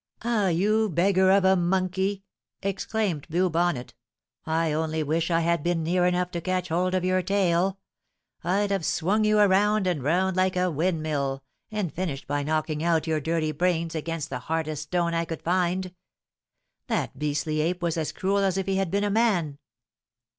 "Ah, you beggar of a monkey!" exclaimed Blue Bonnet, "I only wish I had been near enough to catch hold of your tail! I'd have swung you round and round like a windmill, and finished by knocking out your dirty brains against the hardest stone I could find! That beastly ape was as cruel as if he had been a man!"